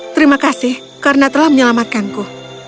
terima kasih karena telah menyelamatkanku